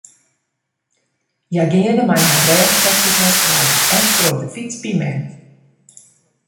Hja geane mei harren rêchsekjes nei skoalle, efter op de fyts by mem.